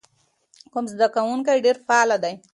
کوم زده کوونکی ډېر فعال دی؟